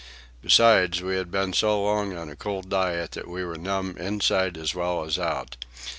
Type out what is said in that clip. Besides, we had been so long on a cold diet that we were numb inside as well as out.